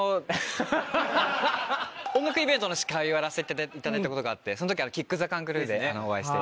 音楽イベントの司会をやらせていただいたことがあってその時ＫＩＣＫＴＨＥＣＡＮＣＲＥＷでお会いして。